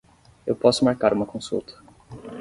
Eu posso marcar uma consulta.